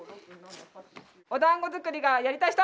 おだんご作りがやりたい人！